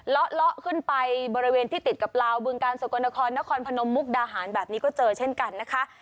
เลาะขึ้นไปบริเวณที่ติดกับลาวบึงกาลสกลนครนครพนมมุกดาหารแบบนี้ก็เจอเช่นกันนะคะ